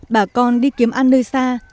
bà con đi kiếm ăn nơi xa